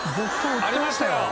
ありましたよ。